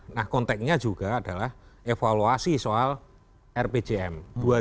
nah konteknya juga adalah evaluasi soal rpjm dua ribu empat belas dua ribu sembilan belas